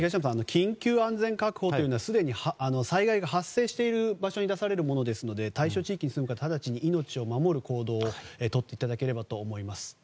緊急安全確保というのはすでに災害が発生している場所に出されるものですので対象地域に住む方は直ちに命を守る行動をとっていただければと思います。